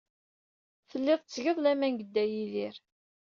Tellid tettged laman deg Dda Yidir.